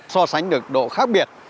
so sánh được độ khác biệt